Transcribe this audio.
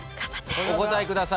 お答えください。